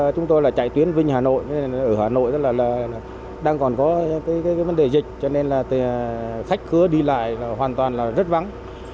chúng tôi là chạy tuyến vinh hà nội ở hà nội đang còn có vấn đề dịch cho nên khách khứa đi lại hoàn toàn rất vắng